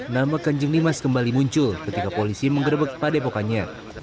nama kanjeng dimas kembali muncul ketika polisi mengerebek pada epokannya